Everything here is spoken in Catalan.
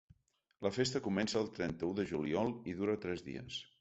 La festa comença el trenta-u de juliol i dura tres dies.